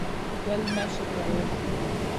ګل مه شکولوئ